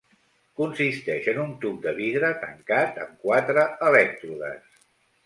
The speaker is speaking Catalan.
Consisteix en un tub de vidre tancat amb quatre elèctrodes.